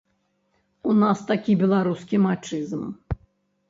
У нас такі беларускі мачызм.